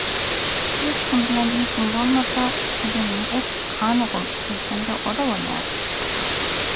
Hiç kim bilen işiň bolmasa, «edeniňi et, han ogul» diýseň – o-da bolýar.